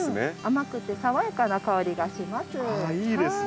甘くて爽やかな香りがします。